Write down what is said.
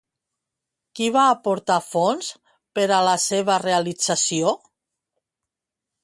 Qui va aportar fons per a la seva realització?